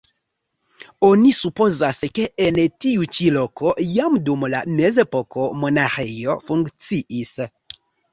Oni supozas, ke en tiu ĉi loko jam dum la mezepoko monaĥejo funkciis.